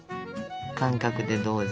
感覚でどうぞ。